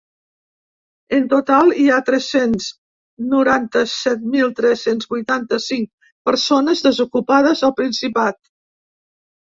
En total hi ha tres-cents noranta-set mil tres-cents vuitanta-cinc persones desocupades al Principat.